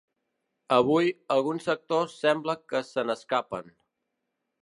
Avui, alguns sectors sembla que se n’escapen.